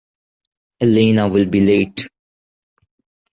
Elena will be late.